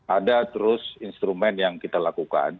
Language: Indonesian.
ada terus instrumen yang kita lakukan